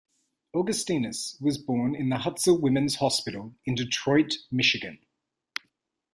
Augustinus was born in the Hutzel Women's Hospital in Detroit, Michigan.